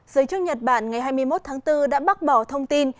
giới chức nhật bản ngày hai mươi một tháng bốn đã bác bỏ thông tin